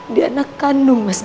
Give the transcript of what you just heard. diana kandung mas banyu